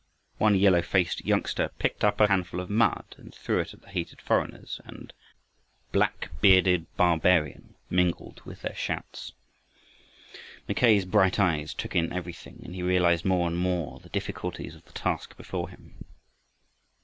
One yellow faced youngster picked up a handful of mud and threw it at the hated foreigners; and "Black bearded barbarian," mingled with their shouts. Mackay's bright eyes took in everything, and he realized more and more the difficulties of the task before him.